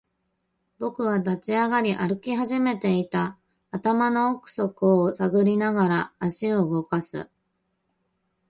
僕は立ち上がり、歩き始めていた。頭の奥底を探りながら、足を動かす。